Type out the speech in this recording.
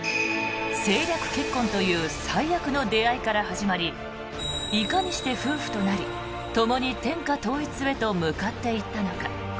政略結婚という最悪の出会いから始まりいかにして夫婦となりともに天下統一へと向かっていったのか。